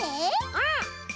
うん！